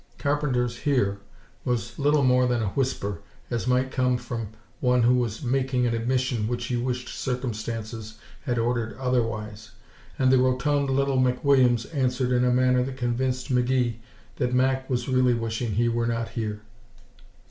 Carpenter's "here," was little more than a whisper, as might come from one who was making an admission which he wished circumstances had ordered otherwise. And the rotund little McWilliams answered in a manner that convinced McGee that Mac was really wishing he were not here.